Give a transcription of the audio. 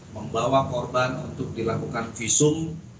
membawa korban untuk dilakukan visum